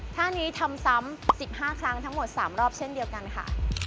ท่านี้ทำซ้ำ๑๕ครั้งทั้งหมด๓รอบเช่นเดียวกันค่ะ